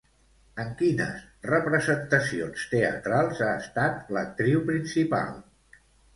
En quines representacions teatrals ha estat l'actriu principal?